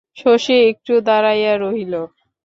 শশী একটু দাড়াইয়া রহিল।